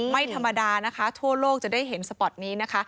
ไม่ธรรมดานะคะทั่วโลกจะได้เห็นสปอร์ตนี้นะคะ